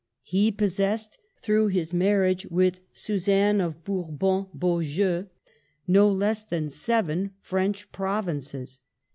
He pos sessed, through his marriage with Suzanne of Bourbon Beaujeu, no less than seven French provinces.